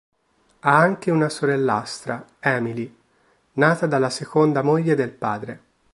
Ha anche una sorellastra, Emily, nata dalla seconda moglie del padre.